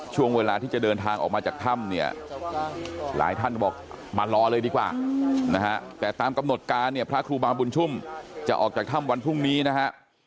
ช่วงเวลาที่จะเดินทางออกมาจากถ้ำเนี่ยหลายท่านก็บอกมารอเลยดีกว่านะฮะแต่ตามกำหนดการเนี่ยพระครูบาบุญชุ่มจะออกจากถ้ำวันพรุ่งนี้นะฮะ